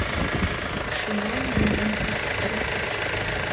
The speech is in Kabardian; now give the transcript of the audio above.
Пшынауэм езым фӀэфӀыр кърегъэкӀ.